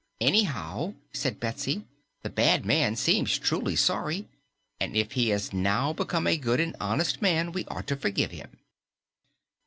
"Anyhow," said Betsy, "the bad man seems truly sorry, and if he has now become a good and honest man, we ought to forgive him."